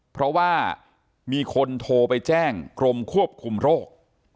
เพราะว่ามีคนโทรไปแจ้งกรมควบคุมโรค